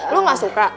lo gak suka